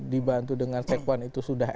dibantu dengan sekwan itu sudah